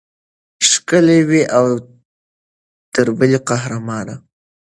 ښکلې وه او تر بلې قهرمانه.